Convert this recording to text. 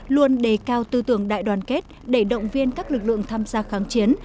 luôn đề cao tư tưởng đại đoàn kết để động viên các lực lượng tham gia kháng chiến